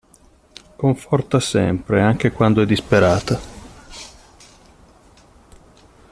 Conforta sempre, anche quando è disperata.